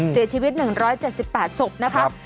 เสียชีวิต๑๗๘ศพนะคะ